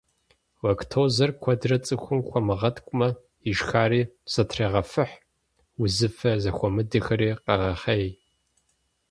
Лактозэр куэдрэ цӀыхум хуэмыгъэткӀумэ, ишхари зэтрегъэфыхь, узыфэ зэхуэмыдэхэри къегъэхъей.